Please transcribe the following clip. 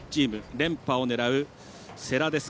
連覇を狙う、世羅です。